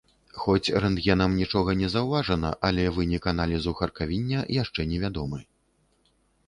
Хоць рэнтгенам нічога не заўважана, але вынік аналізу харкавіння яшчэ невядомы.